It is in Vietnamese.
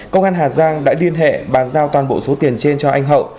công an hà giang đã liên hệ bàn giao toàn bộ số tiền trên cho anh hậu